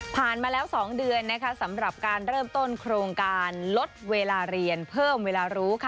มาแล้ว๒เดือนสำหรับการเริ่มต้นโครงการลดเวลาเรียนเพิ่มเวลารู้